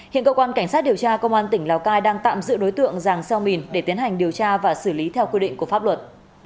hiện cơ quan cảnh sát điều tra công an tỉnh lào cai đang tạm giữ đối tượng giàng xeo mìn để tiến hành điều tra và xử lý theo quy định của pháp luật